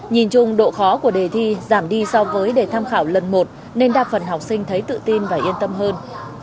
nhìn chung độ khó của đề thi giảm đi so với đề tham khảo lần một nên đa phần học sinh thấy tự tin và yên tâm hơn